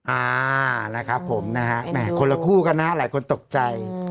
อ่าคุณคุณหล่ะคู่ก็หลายคนตกใจ